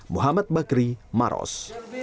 muhammad bakri maros